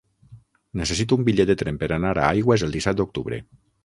Necessito un bitllet de tren per anar a Aigües el disset d'octubre.